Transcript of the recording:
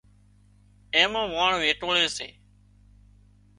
اين مان واڻ ويٽوۯي سي